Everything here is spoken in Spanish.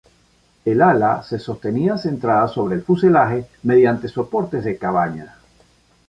El ala se sostenía centrada sobre el fuselaje mediante soportes de cabaña.